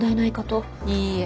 いいえ。